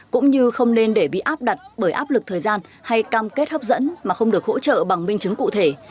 cũng như không nên để bị áp đặt bởi áp lực thời gian hay cam kết hấp dẫn mà không được hỗ trợ bằng minh chứng cụ thể